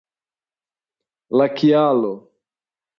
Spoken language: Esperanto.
La kialo ?